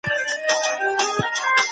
پرون مي یو نوی ملګری پیدا کړ.